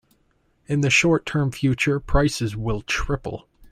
In the short term future, prices will triple.